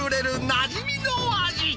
なじみの味。